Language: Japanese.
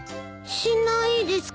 しないですか？